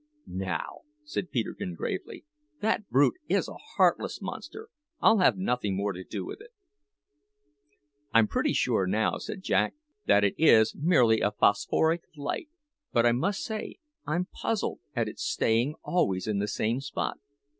"Now," said Peterkin gravely, "that brute is a heartless monster; I'll have nothing more to do with it." "I'm pretty sure now," said Jack, "that it is merely a phosphoric light; but I must say I'm puzzled at its staying always in that exact spot."